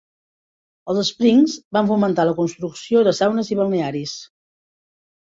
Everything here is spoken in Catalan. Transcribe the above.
Els Springs van fomentar la construcció de saunes i balnearis.